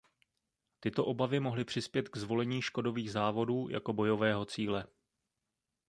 Tyto obavy mohly přispět k zvolení Škodových závodů jako bojového cíle.